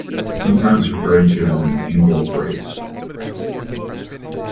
Sometimes referred to as an angle brace.